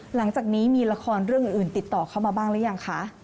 หลังจากนี้มีละครเรื่องอื่นติดต่อเข้ามาบ้างหรือยังคะ